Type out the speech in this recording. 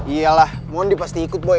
iyalah mondi pasti ikut boy